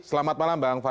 selamat malam bang fary